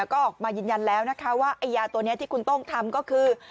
ก็ออกมายืนยันแล้วนะคะว่าไอ้ยาตัวนี้ที่คุณโต้งทำก็คือ